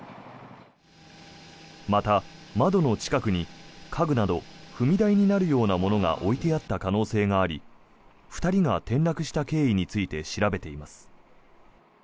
また、窓の近くに家具など踏み台になるようなものが置いてあった可能性があり２人が転落した経緯について調べています。